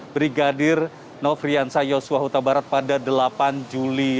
brigadir nofriansa yosua huta barat pada delapan juli